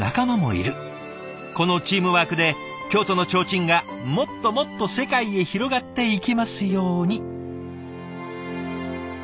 このチームワークで京都の提灯がもっともっと世界へ広がっていきますように。